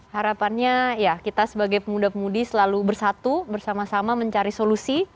harapannya ya kita sebagai pemuda pemudi selalu bersatu bersama sama mencari solusi